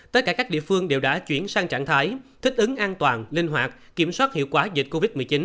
tất cả các địa phương đều đã chuyển sang trạng thái thích ứng an toàn linh hoạt kiểm soát hiệu quả dịch covid một mươi chín